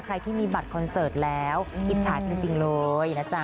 ใครที่มีบัตรคอนเสิร์ตแล้วอิจฉาจริงเลยนะจ๊ะ